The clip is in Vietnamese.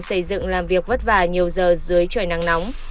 xây dựng làm việc vất vả nhiều giờ dưới trời nắng nóng